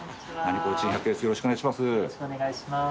よろしくお願いします。